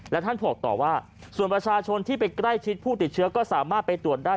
และท่านบอกต่อว่าส่วนประชาชนที่ไปใกล้ชิดผู้ติดเชื้อก็สามารถไปตรวจได้